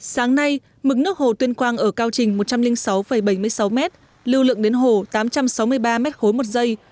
sáng nay mực nước hồ tuyên quang ở cao trình một trăm linh sáu bảy mươi sáu m lưu lượng đến hồ tám trăm sáu mươi ba m ba một giây